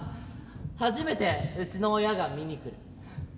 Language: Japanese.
初めてうちの親が見に来る。